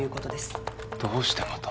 どうしてまた？